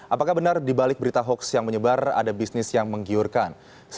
apakah benar dibalik berita hoax yang menyebar ada bisnis yang menggiurkan